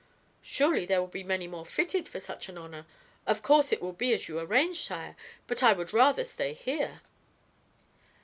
"Surely there will be many more fitted for such an honor. Of course it will be as you arrange, sire; but I would rather stay here."